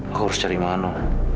aku harus cari manu